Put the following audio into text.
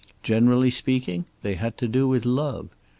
Generally speaking, they had to do with love.